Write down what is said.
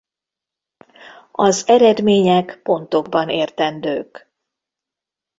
Az eredmények pontokban értendők.